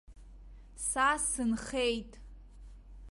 Са сынхеит.